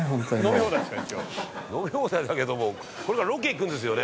「飲み放題ですから一応」「飲み放題だけどもこれからロケ行くんですよね？」